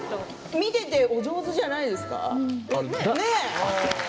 見ていても上手じゃないですか？